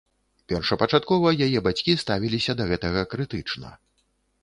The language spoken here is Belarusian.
Першапачаткова яе бацькі ставіліся да гэтага крытычна.